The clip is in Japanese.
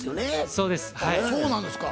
そうなんですか？